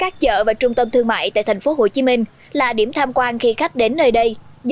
các chợ và trung tâm thương mại tại thành phố hồ chí minh là điểm tham quan khi khách hàng bán hàng